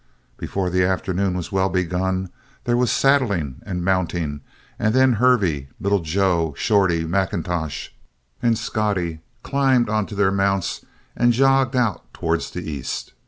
Before the afternoon was well begun, there was saddling and mounting and then Hervey, Little Joe, Shorty, Macintosh, and Scotty climbed onto their mounts and jogged out towards the east.